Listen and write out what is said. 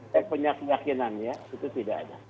saya punya keyakinan ya itu tidak ada